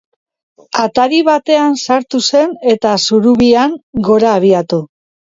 Atari batean sartu zen eta zurubian gora abiatu.